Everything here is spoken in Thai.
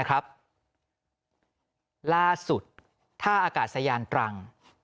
ล่าสุดท่าอากาศยานตรัง